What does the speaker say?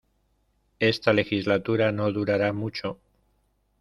Esta legislatura no durará mucho.